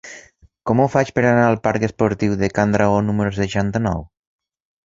Com ho faig per anar al parc Esportiu de Can Dragó número seixanta-nou?